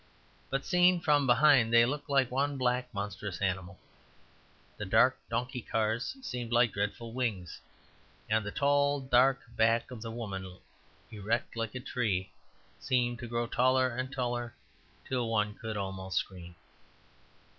But seen from behind they looked like one black monstrous animal; the dark donkey cars seemed like dreadful wings, and the tall dark back of the woman, erect like a tree, seemed to grow taller and taller until one could almost scream.